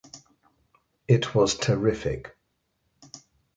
It was terrific.